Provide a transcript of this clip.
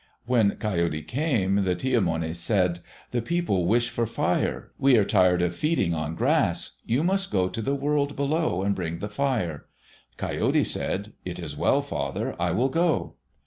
When Coyote came, the Ti amoni said, "The people wish for fire. We are tired of feeding on grass. You must go to the world below and bring the fire." Coyote said, "It is well, father. I will go."